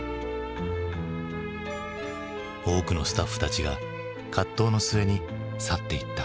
多くのスタッフたちが葛藤の末に去っていった。